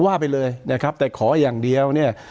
ว่าไปเลยนะครับแต่ขออย่างเดียวเนี่ย